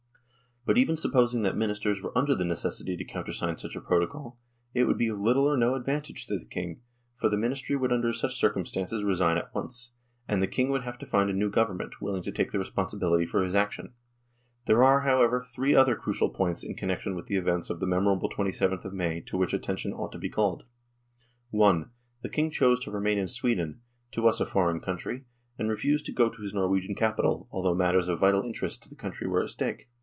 But even supposing that Ministers were under the necessity to countersign such a proposal, it would be of little or no advantage to the King, for the Ministry would under such circumstances resign at once, and the King would have to find a new government, willing to take the responsibility for his action. There are, however, three other crucial points in connection with the events of the memorable 2/th of May to which attention ought to be called. I. The King chose to remain in Sweden to us a foreign country and refused to go to his Norwegian capital, although matters of vital interest to the country were at stake.